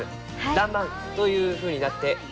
「らんまん」というふうになっていきます。